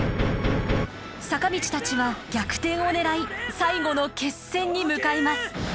坂道たちは逆転を狙い最後の決戦に向かいます。